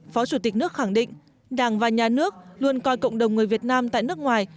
phó chủ tịch nước khẳng định đảng và nhà nước luôn coi cộng đồng người việt nam tại nước ngoài